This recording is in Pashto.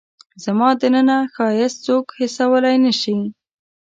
زما دننه ښایست څوک حسولای نه شي